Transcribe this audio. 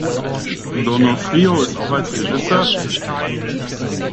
D’Onofrio ist auch als Regisseur tätig.